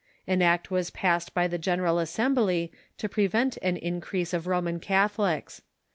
An act was passed by the General Assem bly to prevent an increase of Roman Catholics.